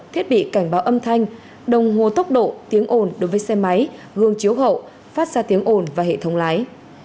thiết bị cảnh báo âm thanh đồng hồ tốc độ tiếng ồn đối với xe máy gương chiếu hậu phát ra tiếng ồn và hệ thống lái